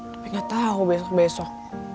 tapi gak tau besok besok